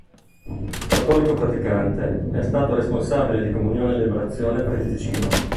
Cattolico praticante, è stato responsabile di Comunione e Liberazione per il Ticino.